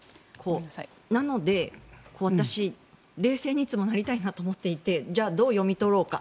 なのでいつも冷静になりたいなと思っていてじゃあどう読み取ろうか。